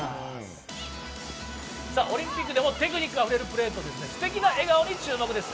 オリンピックでもテクニックあふれるプレーと、ステキな笑顔に注目です。